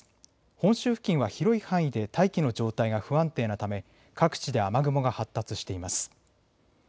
本州付近は広い範囲で大気の状態が不安定なため各地で雨雲が発達しています。